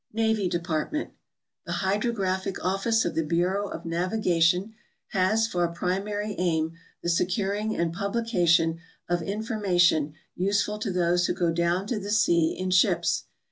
Navy Department. — The Hydrographic Office of the Bureau of Navigation has for a primar}' aim the securing and publication of information useful to those who go down to the sea in ships.